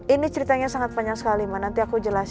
ini ceritanya sangat panjang sekali mbak nanti aku jelasin